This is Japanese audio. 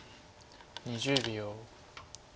２０秒。